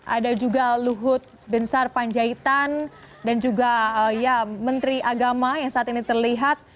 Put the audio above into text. ada juga luhut binsar panjaitan dan juga ya menteri agama yang saat ini terlihat